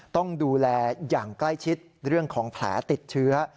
ต้องดูแลอย่างใกล้ชิดเรื่องของแผลติดเชื้อ